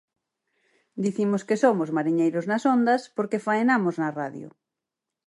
Dicimos que somos mariñeiros nas ondas porque faenamos na radio.